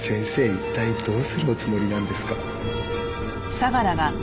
一体どうするおつもりなんですか？